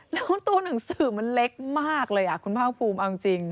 แล้วตัวหนังสือมันเล็กมากเลยคุณภาคภูมิเอาจริง